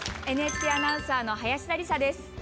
ＮＨＫアナウンサーの林田理沙です。